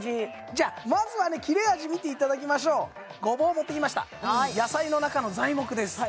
じゃまずはね切れ味見ていただきましょうゴボウ持ってきました野菜の中の材木です